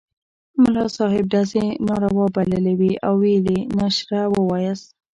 ملا صاحب ډزې ناروا بللې وې او ویل یې نشره ووایاست.